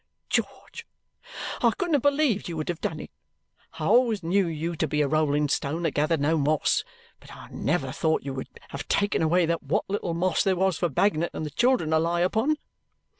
George, I couldn't have believed you would have done it! I always knew you to be a rolling stone that gathered no moss, but I never thought you would have taken away what little moss there was for Bagnet and the children to lie upon.